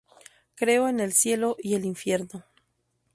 Creo en el Cielo y el Infierno.